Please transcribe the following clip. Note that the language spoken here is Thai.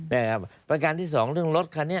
แบบการที่๒เรื่องรถคันเนี่ย